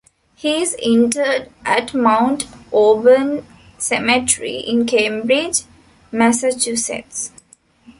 He is interred at Mount Auburn Cemetery in Cambridge, Massachusetts.